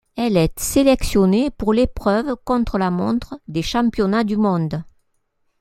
Elle est sélectionnée pour l'épreuve contre-la-montre des championnats du monde.